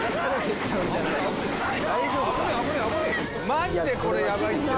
マジでこれヤバいって。